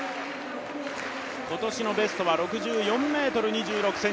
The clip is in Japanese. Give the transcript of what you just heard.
今年のベストは６４ｍ２６ｃｍ。